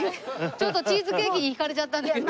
ちょっとチーズケーキにひかれちゃったんだけど今。